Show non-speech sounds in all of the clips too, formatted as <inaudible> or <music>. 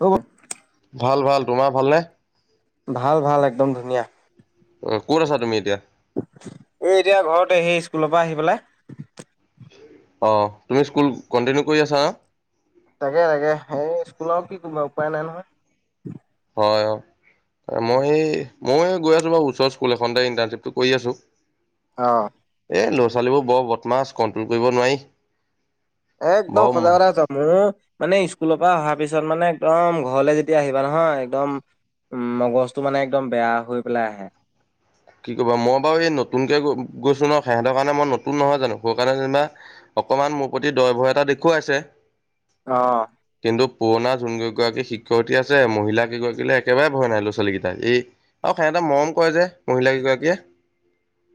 হব। ভাল ভাল তোমাৰ ভালনে? ভাল, ভাল, একদম ধুনীয়া। অ', ক'ত আছা তুমি এতিয়া? এ, এতিয়া ঘৰত সেই স্কুলৰ পৰা আহি পেলাই। অ', তুমি স্কুল কণ্টিনিউ কৰি আছা ন? তাকে তাকে সেই স্কুলৰ কি কোবা উপায় নাই নহয়। হয়। মই এই মই গৈ আছোঁ বাৰু ওচৰ স্কুল এখনতে ইণ্টাৰ্ণৰ্শ্বিপটো কৰি আছোঁ। অ'। এই ল'ৰা ছোৱালীবোৰ বৰ বদমাছ কণ্ট্ৰল কৰিব নোৱাৰি। একদম বাৰু সঁচা কথা কৈছ মোৰ মানে স্কুলৰ পা অহাৰ পিছত মানে একদম ঘৰলৈ যেতিয়া আহিবা নহয় একদম উম, মগজটো মানে একদম বেয়া হৈ পেলাই আহে। কি কৰিবা মই বাৰু এই নতুনকে গৈ- গৈছোঁ ন, সেহঁতৰ কাৰণে মই নতুন নহয় জানো সৌকাৰণে যেনিবা অকণমান মোৰ প্ৰতি দয় ভয় এটা দেখুৱাইছে। অ'। কিন্তু পুৰণা যোন কেইগৰাকী শিক্ষয়িত্ৰী আছে, মহিলাকেইগৰাকীলৈ একেবাৰে ভয় নাই ল'ৰা ছোৱালীকিটাৰ এই আৰু সিহঁতে মৰম কৰে যে, মহিলা কেইগৰাকীয়ে।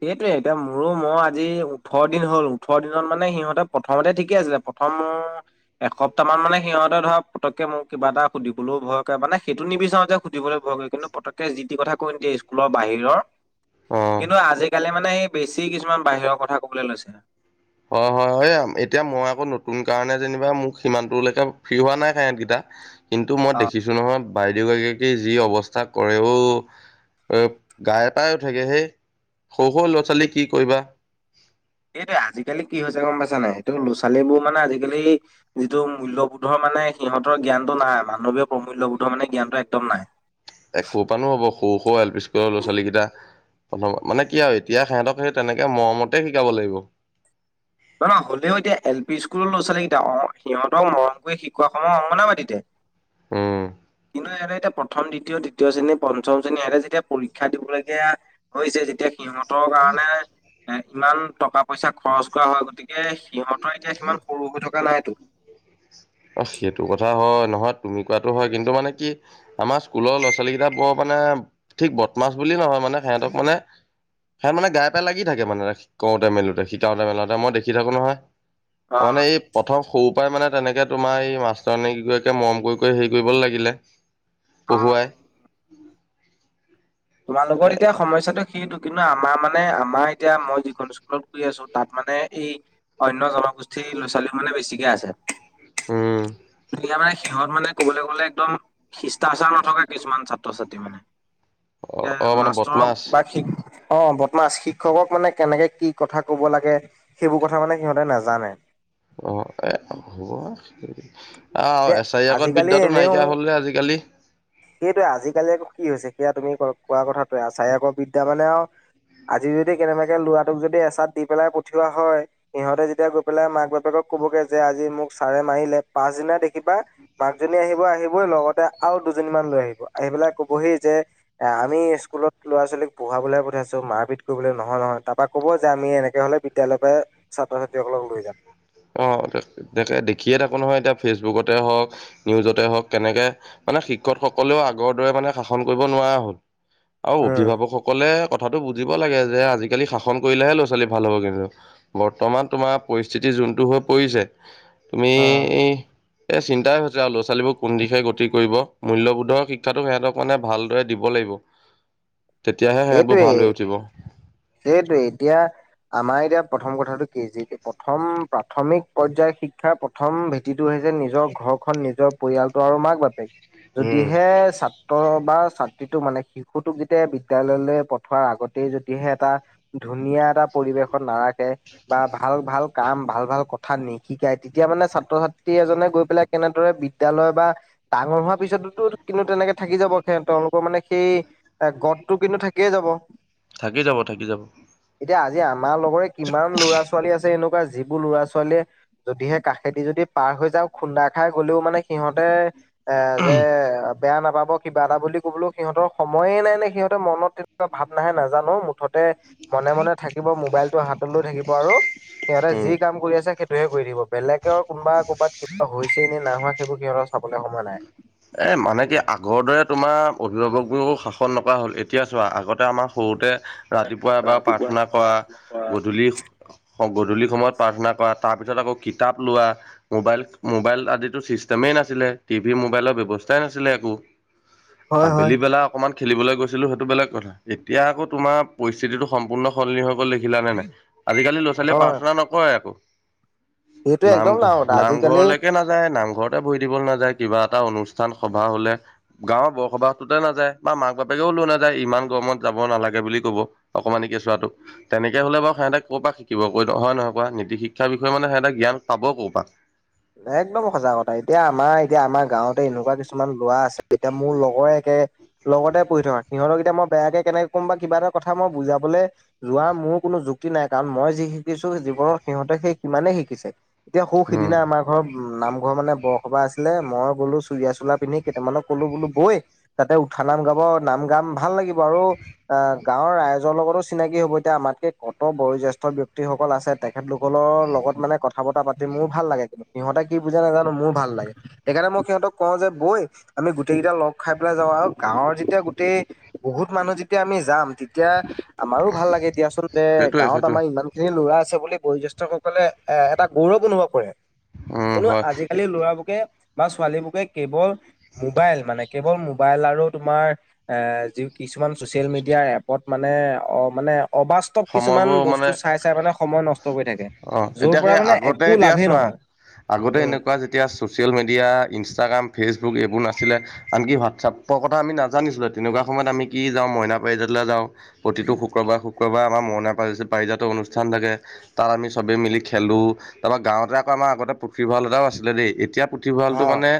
সেইটোৱে, এতিয়া মোৰো মই আজি ওঠৰ দিন হ'ল ওঠৰ দিনত মানে সিহঁতে প্ৰথমতে ঠিকে আছিলে <inaudible> এসপ্তাহ মানে সিহঁতে ধৰা পতকে মোক কিবা এটা সুধিবলৈও ভয়ক কৰে, মানে সেইটো নিবিচাৰো যে সুধিবলে ভয় কৰে কিন্তু পতককে যি টি কথা কৈ নিদিয়ে, স্কুলৰ বাহিৰৰ অ কিন্তু আজি কালি মানে বেছি কিছুমান বাহিৰ কথা ক'বলৈ লৈছে। হয়, হয়, হয় এতিয়া মই আকৌ নতুন কাৰণে যেনিবা মোক সিমানটোলেকে ফ্ৰী হোৱা নাই সেহঁতকিটা। কিন্তু মই অ দেখিছোঁ নহয়, বাইদেউকিগৰাকীক যি অৱস্থা কৰে অ' গায়ে পায়ে উঠেগৈ হেই সৰু, সৰু ল'ৰা ছোৱালী সেই- কি কৰিবা! সেইটোৱে, আজিকালি কি হৈছে গম পাইছা নাই, এইটো ল'ৰা ছোৱালীবোৰ মানে আজিকালি যিটো মূল্যবোধৰ মানে সিহঁতৰ জ্ঞানটো নাই, মানৱীয় প্ৰমূল্যবোধৰ মানে জ্ঞানটো একদম নাই। এ, ক'ৰপানো হ'ব সৰু, সৰু এল পি স্কুলৰ ল'ৰা ছোৱালীকিটা। প্ৰথমত মানে কি আৰু এতিয়া সিহঁতক সেই তেনেকে মৰমতে শিকাব লাগিব। নহ-নহয় হ'লেও এতিয়া এল পি স্কুলৰ লৰা ছোৱালকিটা অ', সিহঁতক মৰম কৰি শিকোৱা সময়ৰ অংগবাদীতিতে! হুম। <unintelligible> ইহঁতে এতিয়া প্ৰথম, দ্বিতীয়, তৃতীয় শ্ৰেণী পঞ্চম শ্ৰেণী ইহতে যেতিয়া পৰীক্ষা দিবলগীয়া হৈছে যেতিয়া সিহঁতৰ কাৰণে ইমান টকা পইচা খৰচ কৰা হয়, গতিকে সিহত এতিয়া সিমান সৰু হৈ থকা নাইতো। অ', সেইটো কথা হয়, নহয় তুমি কোৱাটো হয়, কিন্তু মানে কি আমাৰ স্কুলৰ ল'ৰা ছোৱালীকিটা বৰ মানে ঠিক বদমাছ বুলি নহয় মানে সেহঁতক মানে <unintelligible> মানে গায়ে পায়ে লাগি থাকে মানে শিকাওঁতে মেলোতে, শিকাওঁতে মেলোতে মই দেখি থাকোঁ নহয়। অ মানে, এই প্ৰথম সৰু পাই মানে তেনেকে তোমাৰ এই মাষ্টৰনি কিগৰাকীয়ে মৰম কৰি, কৰি হেৰি কৰিবলে লাগিলে অ পঢ়ুৱাই এ তোমালোকৰ এতিয়া সমস্যাটো সেইটো, কিন্তু আমাৰ মানে আমাৰ এতিয়া মই যিখন স্কুলত কৰি আছোঁ তাত মানে এই অন্য জনগোষ্ঠীৰ ল'ৰা ছোৱালী মানে বেছিকে আছে। উম এতিয়া মানে সিহঁত মানে ক'বলৈ গ'লে একদম শিষ্টাচাৰ নথকা কিছুমান ছাত্ৰ ছাত্ৰী মানে। অ অ <unintelligible> মানে মাষ্টৰক বদমাছ বা শিক্ষ অ', বদমাছ শিক্ষকক মানে কেনেকে কি কথা ক'ব লাগে সেইবোৰ কথা মানে সিহঁতে নাজানে। অ', এ, <unintelligible> যে অ', এছাৰি আগত আজিকালি বিদ্যাটো এনেও নাইকিয়া হ'ল আজিকালি। সেইটোৱে, আজিকালি কি হৈছে সেয়া তুমি কোৱা কথাটোৱে আচাৰি আকৌ বিদ্যা মানে আৰু আজি যদি কেনেবাকে ল'ৰাটোক যদি এচাৰ দি পেলাই পঠিওৱা হয় সিহঁতে যেতিয়া গৈ পেলাই মাক বাপেকক ক'বগে যে আজি মোক ছাৰে মাৰিলে পাচদিনা দেখি বা মাকজনী আহিব, আহিবই লগতে আৰু দুজনী মান লৈ আহিব, আহি পেলাই ক'বহি যে এ, আমি স্কুলত ল'ৰা ছোৱালী পঢ়ুৱাবলৈ পঠিয়াইছোঁ, মাৰপিত কৰিবলৈ নহয়, নহয়। তাৰপা ক'ব যে আমি এনেক হ'লে তেওঁলোকে ছাত্ৰ ছাত্ৰীসকলক লৈ যাম। অ', <unintelligible> দেখিয়ে থাকোঁ নহয় এতিয়া ফেচবুকতে হওঁক নিউজতে হওঁক কেনেকে মানে শিক্ষকসকলেও আগৰ দৰে মানে শাসন কৰিব নোৱাৰা হ'ল। আৰু উম অভিভাৱকসকলে কথাটো বুজিব লাগে যে আজিকালি শাসন কৰিলেহে ল'ৰা ছোৱালী ভাল হ'ব কিন্তু। বৰ্তমান তোমাৰ পৰিস্থিতি যোনটো হৈ পৰিছে তুমি অ এই চিন্তাই হৈছে আৰু ল'ৰা ছোৱালীবোৰ কোন দিশে গতি কৰিব মূল্যবোধৰ শিক্ষাটো সিহঁতক মানে ভালদৰে দিব লাগিব। তেতিয়াহে সিহঁতবোৰ এইটোৱেই ভাল হৈ উঠিব। সেইটোৱে এতিয়া আমাৰ এতিয়া প্ৰথম কথাটো কে জি প্ৰথম প্ৰাথমিক পৰ্যায়ৰ শিক্ষাৰ প্ৰথম ভেটিটো হৈছে নিজৰ ঘৰখন নিজৰ পৰিয়ালটো আৰু মাক বাপেক। উম যদিহে ছাত্ৰ বা ছাত্ৰীটোক মানে শিশুটোক যেতিয়া বি বিদ্যালয়লৈ পঠোৱাৰ আগতেই যদিহে এটা ধুনীয়া এটা পৰিৱেশত নাৰাখ বা ভাল, ভাল কাম ভাল, ভাল কথা নিশিকায় তেতিয়া মানে ছাত্ৰ ছাত্ৰী এজনে গৈ পেলাই কেনেদৰে বিদ্যালয় বা ডাঙৰ হোৱাৰ পিছতোতো কিন্তু তেনেকে থাকি যাব, তেওঁলোকৰ মানে সেই গদটো কিন্তু থাকিয়েই যাব। থাকি যাব, থাকি যাব। এতিয়া আজি আমাৰ লগৰে কিমান লৰা ছোৱালী আছে এনেকুৱা, যিবোৰ লৰা ছোৱালীয়ে যদিহে কাষেদি যদি পাৰ হৈ যাওঁ খুন্দা খাই গলেও মানে সিহঁতে এ যে বেয়া নাপাব কিবা এটা বুলি কবলৈও সিহঁতৰ সময়ে নাই নে সিহঁত মনত তো ভাৱ নাহে নাজানো মুঠত তে মনে মনে থাকিব। মোবাইলটো হাতত লৈ থাকিব আৰু। সিহঁতে যি উম কাম কৰি আছে সে টোহে কৰি থাকিব, বেলেগৰ কোনোবা ক'ৰবাত কিবা হৈছেই নে নাই হোৱা সেইবোৰ সিহঁতৰ চাবলৈ সমই নাই। এই মানে কি আগৰ দৰে তোমাৰ অভিভাৱকবোৰ শাসন নকৰা হ'ল, এতিয়া চোৱা আগতে আমাৰ সৰুতে ৰাতিপুৱা এবাৰ প্ৰাৰ্থনা কৰা গধূলি। গধূলি সময়ত প্ৰাৰ্থনা কৰা তাৰপিছত আকৌ কিতাপ লোৱা। মোবাইল, মোবাইল আদিতো চিষ্টেমেই নাছিলে, টিভি মোবাইলত ব্যৱস্থা নাছিলে একো, হয় হয় আবেলি বেলা অকনমান খেলিবলৈ গৈছিলো সেইটো বেলেগ কথা। এতিয়া আকৌ তোমাৰ পৰিস্থিতিটো সম্পূৰ্ণ সলনি হৈ গল দেখিলা নে নাই। আজিকালি ল'ৰা ছোৱালীয়ে হয় প্ৰাৰ্থনা নকৰে সেইটো আক' একদম ডাঙৰ কথা নামঘৰ আজিকালি নামঘৰলৈকে নাযায়। নামঘৰতে বহি দিব নাযায়, কিবা এটা অনুষ্ঠান সভা হ'লে। গাঁৱৰ বৰসবাহটোতে নযায় বা মাক বাপেকেও লৈ নাযায়, ইমান গৰমত যাব নালাগে বুলি কব। অকমানি কেচোৱাটো। তেনেকৈ হ'লে বাৰু সিহঁতে ক'ৰপৰা শিকিব, ক হয় নহয় কোৱা? নীতি শিক্ষাৰ বিষয়ে মানে সিহঁতে জ্ঞান পাব ক'ৰ পৰা? একদম সঁচা কথা, এতিয়া আমাৰ এতিয়া আমাৰ গাঁৱতে এনেকুৱা কিছুমান লৰা আছে, এতিয়া মোৰ লগৰেই একে লগতে পঢ়ি থকা, সিহঁতক এতিয়া মই বেয়াকে কেনেকে ক'ম বা কিবা এটা কথা মই বুজাবলে যোৱা মোৰ কোনো যুক্তি নাই, কাৰণ মই যি শিকিছো জীৱনত সিহঁতে সেই সিমানেই শিকিছে। এতিয়া সৌ উম সিদিনা আমাৰ ঘৰ নামঘৰ মানে বৰসবাহ আছিলে, মই গ'লো চুৰিয়া চোলা পিন্ধি কেইটামানক ক'লো বোলো বৈ। তাতে উঠা নাম গাব নাম গাম ভাল লাগিব আৰু। আহ, গাঁৱৰ ৰাইজৰ লগতো চিনাকি হব। এতিয়া আমাতকে কত বয়োজেষ্ঠ ব্যক্তিসকল আছে তে তেখেত লোককলৰ লগত মানে কথা বতৰা পাতি মোৰ ভাল লাগে কিন্তু। সিহঁতে কি বুজে নাজানো মোৰ ভাল লাগে। সেইকাৰণে মই সিহঁতক কওঁ যে বৈ। আমি গোটেই কেইটা লগ খাই পেলাই যাওঁ আৰু গাঁৱৰ যেতিয়া গোটেই বহুত মানুহ যেতিয়া আমি যাম। তেতিয়া আমাৰো ভাল লাগে দিয়াচোন যে সেইটোৱে গাঁৱত সেইটোৱে আমাৰ ইমান ল'ৰা আছে বুলি বয়োজ্যেষ্ঠ সকলে এ এটা গৌৰৱ অনুভৱ কৰে। উম এনেও হয় আজিকালি লৰাবোকে বা ছোৱালীবোকে কেৱল মোবাইল মানে কেৱল মোবাইল আৰু তোমাৰ এ যি কিছুমান ছচিয়েল মিডিয়াৰ এপত মানে অ মানে অবাস কিছুমান সময়বোৰ মানে বস্তু চাই, চাই মানে সময় নষ্ট কৰি থাকে, অ যৰ এতিয়া সেই পৰা মানে আগতে একো এতিয়া লাভেই চোৱা নহয়। আগতে উম। এনেকুৱা যেতিয়া ছ'চিয়েল মিডিয়া ইনষ্টাগ্ৰাম ফেচবুক এইবোৰ নাছিলে। আনকি হোৱাটছআপৰ কথা আমি নাজানিছিলোই, তেনেকুৱা সময়ত আমি কি যাওঁ মইনা পাৰিজাতলৈ যাওঁ। প্ৰতিটো শুক্ৰবাৰ, শুক্ৰবাৰে আমাৰ মইনা পাৰিজাতৰ অনুষ্ঠান থাকে। তাত আমি চবে মিলি খেলো, তাৰপৰা গাঁৱতে আকৌ আমাৰ আগতে পুথিভঁৰাল এটাও আছিলে দেই। এতিয়া অ পুথিভঁৰালটো মানে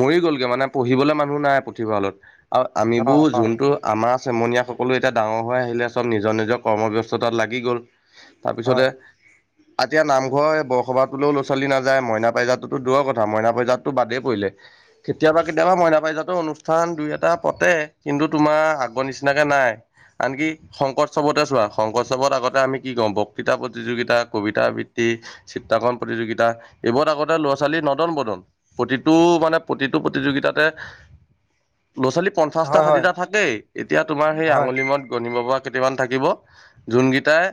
মৰি গ'লগে মানে, পঢ়িবলৈ মানুহ নাই পুথিভঁৰালত। আৰু অ আমিবোৰ অ যোনটো আমাৰ, চেমনীয়া সকলো এতিয়া ডাঙৰ হৈ আহিলে চব নিজৰ নিজৰ কৰ্মব্যস্ততাত লাগি গ'ল, হয়। তাৰপিছতে এতিয়া নামঘৰ এই বৰসভাটোলৈও ল'ৰা ছোৱালী নাযায়, মইনা পাৰজাতটোতো দূৰৰ কথা মইনা পাৰজাততো বাদেই পৰিলে। কেতিয়াবা, কেতিয়াবা, মইনা পাইজাতৰ অনুষ্ঠান দুই এটা পাতে, কিন্তু তোমাৰ আগৰ নিচিনাকে নাই। আনকি শংকৰোৎসৱতে শংকৰোৎসৱত আগতে আমি কি কওঁ বক্তৃতা প্ৰতিযোগিতা, কবিতা আবৃত্তি, চিত্ৰাকৰণ প্ৰতিযোগিতা, এইবোৰ আগতে ল'ৰা ছোৱালীৰ নদন বদন। প্ৰতিটো মানে, প্ৰতিটো প্ৰতিযোগিতাতে ল'ৰা ছোৱালী পঞ্চাশটা হয় হয় ষাঠিটা থাকেই। এতিয়া তোমাৰ সেই হয়। আঙুলি মূৰত গণিব পৰা কেইটামান থাকিব। যোনকেইটাই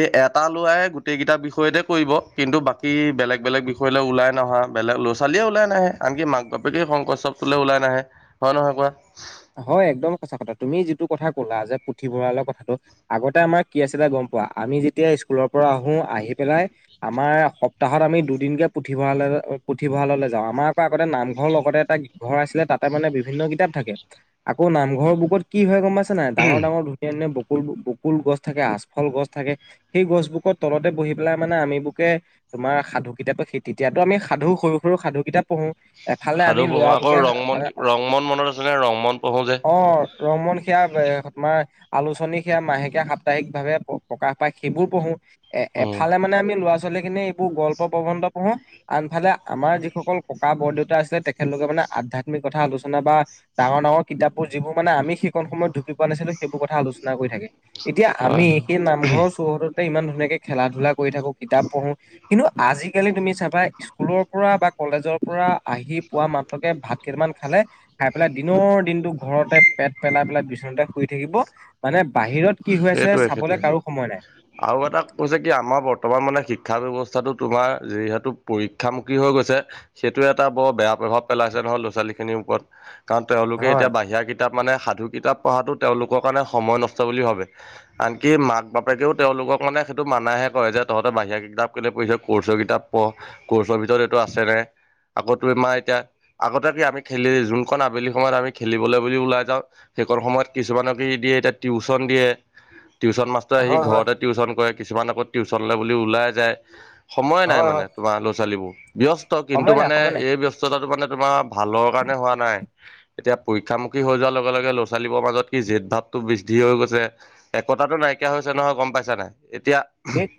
এই এটা লৰাই গোটেই কেইটা বিষয়তে কৰিব, কিন্তু বাকী বেলেগ বেলেগ বিষ কৰিলে ওলাই নহা, বেলেগ লৰা ছোৱালীয়ে ওলাই নাহে, আনি মাক বাপেকে শংকৰোৎসৱটোলৈ ওলাই নাহে হয়, নহয়, কোৱা হয়, একদম সঁচা কথা তুমি যিটো কথা কলা যে পুথিভঁৰালৰ কথাটো আগতে আমাৰ কি আছিলে, গম পোৱা আমি যেতিয়া স্কুলৰ পৰা আহো আহি পেলাই আমাৰ, সপ্তাহত আমি দুদিনকে পুথিভঁৰাললৈ পুথিভঁৰাললৈ যাওঁ আমাৰ আগতে, নামঘৰ লগতে এটা ঘৰ আছিলে, তাতে মানে বিভিন্ন কিতাপ থাকে আকৌ নামঘৰৰ বুকত কি হয়, গম পাইছে নাই ডাঙৰ ডাঙৰ ধুনীয়া বকুল, বকুল গছ থাকে, আচফল গছ থাকে সেই গছবোৰকত তলতে বহি পেলাই মানে আমিবুকে তোমাৰ সাধু, কিতাপ সেই তেতিয়াতো আমি সাধু সৰু সৰু সাধু কিতাপ পঢ়ো এফালে আমি সাধু পঢ়ো আকৌ, লৰাবোকে মানে ৰংমন ৰংমন মনত আছিলে ৰংমন পঢ়ো যে অ', ৰংমন সেয়া তোমাৰ আলোচনী সেয়া, মাহেকীয়া সাপ্তাহিক ভাৱে প্ৰকাশ পায় সেইবোৰ পঢ়ো এ উম এফালে মানে, আমি ল'ৰা ছোৱালীখিনি এইবোৰ গল্প প্ৰবন্ধ পঢ়োঁ আনফালে, আমাৰ যিসকল ককা বৰদেউতা আছিলে, তেখেতলোকে মানে আধ্যাত্মিক কথা আলোচনা বা ডাঙৰ, ডাঙৰ, কিতাপবোৰ যিবোৰ মানে, আমি সেইখন সময়ত ঢুকি পোৱা নাছিলো সেইবোৰ কথা আলোচনা কৰি থাকে এতিয়া, হয় আমি হয় সেই নামঘৰৰ চৌহদতে ইমান ধুনীয়াকে খেলা ধূলা কৰি থাকো কিতাপ পঢ়ো কিন্তু, আজিকালি তুমি চাবা, স্কুলৰ পৰা বা কলেজৰ পৰা আহি পোৱা মাত্ৰকে, ভাত কেইটামান খালে খাই দিনৰ, দিনটো ঘৰতে পেট পেলাই পেলাই বিচনাতে শুই থাকিব, মানে বাহিৰত কি হৈ আছে সেইটোৱে, চাবলৈ সেইটোৱে কাৰো সময় নাই। আৰু এটা কৈছে কি, আমাৰ বৰ্তমান মানে শিক্ষা ব্যৱস্থাটো তোমাৰ যিহেতু পৰীক্ষামুখী হৈ গৈছে সেইটোয়ে এটা বৰ বেয়া প্ৰভাৱ পেলাইছে নহয়, ল'ৰা ছোৱালী খিনিৰ ওপৰত কাৰণ, তেওঁলোকে হয়, এতিয়া বাহিৰা কিতাপ মানে সাধু কিতাপ পঢ়াটো তেওঁলোকৰ কাৰণে সময় নষ্ট বুলি ভাবে আনকি মাক বাপেকেও তেওঁলোকক মানে, সেইটো মানাহে কৰে যে তহঁতে বাহিৰা কিতাপ কেলে পঢ়িছ, কৰ্চৰ কিতাপ পঢ়, কোৰ্চৰ ভিতৰত এইটো আছে নে, আকৌ তোমাৰ এতিয়া আগতে, কি আমি খেলি যোনখন আবেলি সময়ত আমি খেলিবলৈ বুলি ওলাই যাওঁ সেকণ সময়ত কিছুমানক দিয়ে, এতিয়া টিউশচন দিয়ে টিউশচন মাষ্টৰে আহি হয়, হয়, ঘৰতে টিউশচন কৰে, কিছুমান আকৌ টিউশচনলে বুলি ওলাই যায় সময় নাই হয়, মানে, হয়, তোমাৰ ল'ৰা ছোৱালীবোৰ, ব্যস্ত সময় কিন্তু নাই মানে সময় নাই এই ব্যস্ত টাটো মানে, তোমাৰ ভালৰ কাৰণে হোৱা নাই এতিয়া পৰীক্ষামুখী হৈ, যোৱাৰ লগে লগে ল'ৰা ছোৱালীবোৰৰ মাজত কি জেদ ভাৱটো বৃদ্ধি হৈ গৈছে একতাটো নাইকিয়া হৈছে, নহয় গম পাইছা নাই এতিয়া ধেত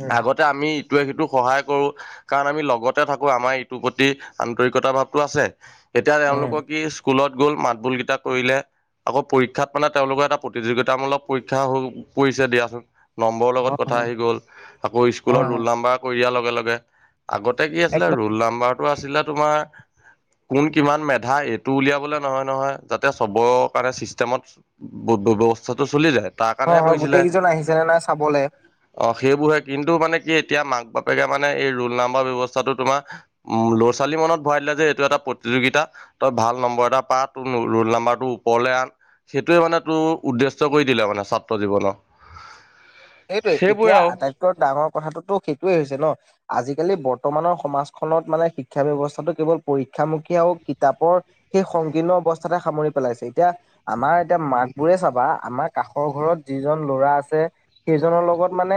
উম, আগত আমি ইটোৱে সিটোক সহায় কৰো কাৰণ, আমি লগতে থাকো আমাৰ ইটোৰ প্ৰতি আন্তৰিকতা ভাৱটো আছে এতিয়া উম, তেওঁলোকৰ কি স্কুলত গ'ল মাত বোলকেইটা কৰিলে, আকৌ পৰীক্ষাত মানে, তেওঁলোকৰ এটা প্ৰতিযোগিতামূলক পৰীক্ষা হৈ পৰিছে, দিয়াচোন নম্বৰৰ লগত হয়, কথা হয়, আহি গ'ল আকৌ হয়, স্কুলৰ হয়, ৰোল নাম্বাৰ কৰি দিয়াৰ লগে লগে, আগতে কি আছিলে একদম ৰোল নাম্বাৰটো আছিলে তোমাৰ কোন কিমান মেধা এইটো উলিয়াবলে নহয় নহয়, যাতে সবৰে কাৰণে চিষ্টেমত ব্যৱস্থাটো চলি যায়। তাৰ হয়, কাৰণেহে হয়, কৰিছিলে গোটেই কেইজন আহিছে নে নাই চাবলে অ', সেইবোৰহে কিন্তু মানে কি এতিয়া মাক বাপেকে মানে এই ৰোল নাম্বৰ ব্যৱস্থাটো তোমাৰ উম, ল'ৰা ছোৱালী মনত ভৰাই দিলে যে এইটো এটা প্ৰতিযোগিতা। তই ভাল নম্বৰ এটা পা, তোৰ ৰোল নম্বাৰটো ওপৰলৈ আন, সেইটোয়ে মানে তোৰ উদ্দেশ্য। কৰি দিলে মানে ছাত্ৰ জীৱনত সেইটোৱে এতিয়া আটাইতকৈ ডাঙৰ কথাটোতো সেইটোৱেই হৈছে ন'। আজিকালি বৰ্তমানৰ সমাজখনত মানে শিক্ষা ব্যৱস্থাটো কেৱল পৰীক্ষামুখী আৰু কিতাপৰ সেই সংকীৰ্ণ অৱস্থাতে সামৰি পেলাইছে। এতিয়া আমাৰ এতিয়া মাকবোৰে চাবা, আমাৰ কাষৰ ঘৰত যিজন ল'ৰা আছে সেইজনৰ লগত মানে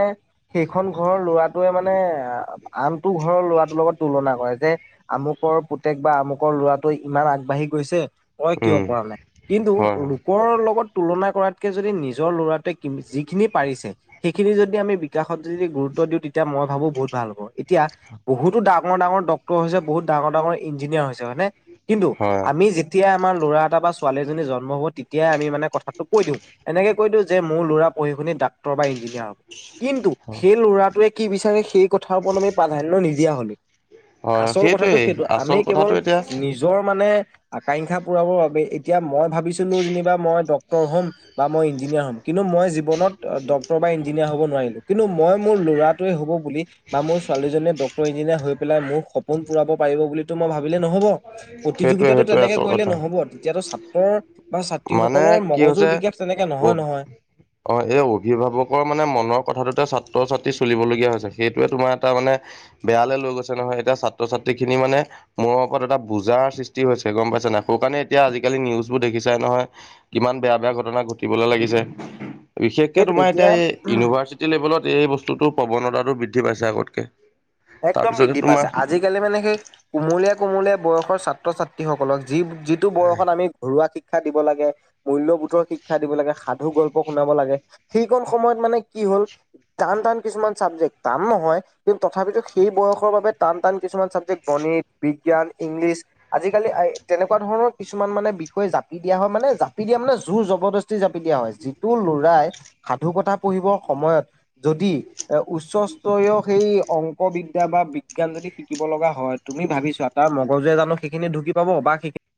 সেইখন ঘৰৰ ল'ৰাটোৱে মানে আহ আনটো ঘৰৰ ল'ৰাটোৰ লগত তুলনা কৰে, যে আমুকৰ পুতেক বা আমুকৰ ল'ৰাটোৱে ইমান আগবাঢ়ি গৈছে তই কিয় উম পৰা নাই, কিন্তু হয় লোকৰ লগত তুলনা কৰাতকৈ যদি নিজৰ ল'ৰাটোৱে যিখিনি পাৰিছে সেইখিনি যদি আমি বিকাশত যদি গুৰুত্ব দিওঁ, তেতিয়া মই ভাবো বহুত ভাল হ'ব। এতিয়া, বহুতো ডাঙৰ, ডাঙৰ ডক্তৰ হৈছে, বহুত ডাঙৰ ডাঙৰ ইঞ্জিনিয়াৰ হৈছে মানে কিন্তু হয় আমি যেতিয়াই আমাৰ ল'ৰা এটা বা ছোৱালী এজনী জন্ম হ'ব, তেতিয়াই আমি মানে কথাটো কৈ দিওঁ। এনেকে কৈ দিওঁ যে মোৰ ল'ৰা পঢ়ি শুনি ডাক্টৰ ডাক্টৰ বা ইঞ্জিনিয়াৰ হ'ব, কিন্তু হয় সেই ল'ৰাটোৱে কি বিচাৰে সেই কথা প্ৰাধান্য নিদি দিয়া হ'লো, হয় আচল কথাটো সেইটোৱেই সেইটো আমি আচল কথাটো কেৱল এতিয়া নিজৰ মানে আকাংক্ষা পূৰাবৰ বাবে, এতিয়া মই ভাবিছিলো যেনিবা মই ডক্টৰ হ'ম বা মই ইঞ্জিনিয়াৰ হ'ম। কিন্তু মই জীৱনত ডক্তৰ বা ইঞ্জিনিয়াৰ হ'ব নোৱাৰিলোঁ, কিন্তু মই মোৰ ল'ৰাটোৱে হ'ব বুলি বা মোৰ ছোৱালীজনীয়ে ডক্টৰ, ইঞ্জিনিয়াৰ হৈ পেলাই মোৰ সপোন পূৰাব পাৰিব বুলিতো মই ভাবিলে নহ'ব। সেইটোৱে প্ৰতিযোগিতাটো সেইটোৱে তেনেকে আচল কৰিলে কথা নহ'ব, তেতিয়াতো ছাত্ৰৰ বা মানে ছাত্ৰীসকলৰ কি মগজুৰ বিকাশ তেনেকে নহয়, হৈছে নহয়। অ', এই অভিভাৱকৰ মানে মনৰ কথাটোতে ছাত্ৰ ছাত্ৰী চলিবলগীয়া হৈছে, সেইটোয়ে তোমাৰ এটা মানে বেয়ালৈ লৈ গৈছে নহয়, এতিয়া ছাত্ৰ ছাত্ৰী খিনি মানে মোৰ ওপৰত এটা বোজাৰ সৃষ্টি হৈছে গম পাইছ নাই, সৌকাৰণে এতিয়া আজিকালি নিউজবোৰ দেখিছ নহয়, কিমান বেয়া বেয়া ঘটনা ঘটিবলৈ লাগিছে। বিশেষকে তোমাৰ এতিয়া এই ইউনিভাৰ্চিটি লেভেলত এই বস্তুটো প্ৰৱণতাটো বৃদ্ধি পাইছে আগতকে। একদম তাৰপিছতে বৃদ্ধি তোমাৰ পাইছে, আজি আজিকালি মানে সেই কোমলীয়া, কোমলীয়া বয়সৰ ছাত্ৰ ছাত্ৰীসকলক যি যিটো বয়সত আমি ঘৰুৱা শিক্ষা দিব লাগে, মূল্যবোধৰ শিক্ষা দিব লাগে, সাধু, গল্প শুনাব লাগে। সেইকন সময়ত মানে কি হ'ল, টান টান কিছুমান চাবজেক্ট, টান নহয় কিন্তু তথাপিতো সেই বয়সৰ বাবে টান টান কিছুমান ছাবজেক্ট, গণিত, বিজ্ঞান, ইংলিছ আজিকালি তেনেকুৱা ধৰণৰ কিছুমান মানে বিষয় জাপি দিয়া হয়, মানে জাপি দিয়া মানে জোৰ জবৰদস্ত জাপি দিয়া হয়, যিটো ল'ৰাই সাধু কথা পঢ়িবৰ সময়ত যদি এ উচ্চস্তৰীয় সেই অং বিদ্যা বা বিজ্ঞান যদি শিকিব লগা হয় তুমি ভাবিছোৱা তাৰ মগজুৱে জানো সেইখিন ঢুক পাব, বা সেইখিন